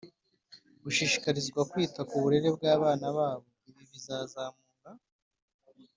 gushishikarizwa kwita k uburere bw abana babo Ibi bizazamura